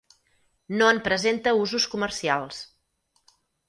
No en presenta usos comercials.